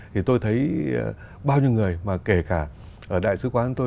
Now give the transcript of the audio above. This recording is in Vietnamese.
thì tôi thấy bao nhiêu người mà kể cả ở đại sứ quán tôi